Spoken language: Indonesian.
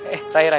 eh rai rai